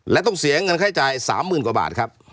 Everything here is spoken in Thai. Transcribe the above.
และต้องเสียเงินค่าจ่าย๓๐๐๐กว่าบาทครับ